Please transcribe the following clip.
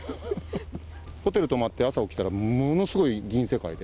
ホテル泊まって、朝起きたらものすごい銀世界で。